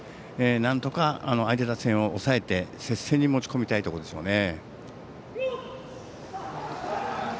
なんとか相手打線を抑えて接戦に持ち込みたいところでしょうね。